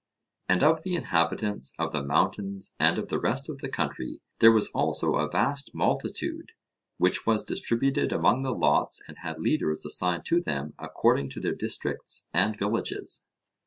And of the inhabitants of the mountains and of the rest of the country there was also a vast multitude, which was distributed among the lots and had leaders assigned to them according to their districts and villages.